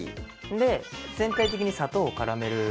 で全体的に砂糖を絡めるように。